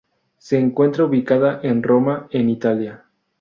Se encuentra ubicada en Roma, en Italia.